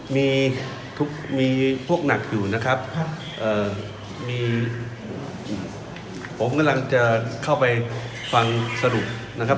มีทุกมีพวกหนักอยู่นะครับมีผมกำลังจะเข้าไปฟังสรุปนะครับ